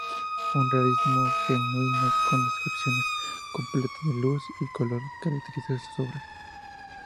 Un realismo genuino, con descripciones completas de luz y color, caracteriza sus obras.